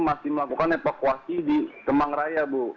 masih melakukan evakuasi di kemang raya bu